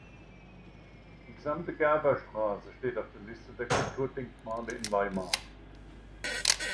Die gesamte Gerberstraße steht auf der Liste der Kulturdenkmale in Weimar.